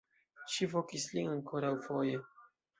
Ŝi vokis lin ankoraŭfoje.